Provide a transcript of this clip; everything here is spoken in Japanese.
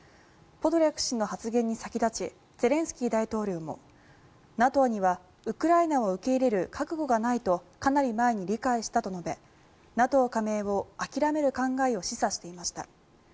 ポドリャク氏の発言に先立ちゼレンスキー大統領もＮＡＴＯにはウクライナを受け入れる覚悟がないとかなり前に理解したと述べＮＡＴＯ加盟を諦める考えを示唆していました。